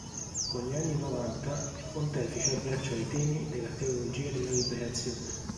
Con gli anni Novanta, il Pontefice abbracciò i temi della teologia della liberazione.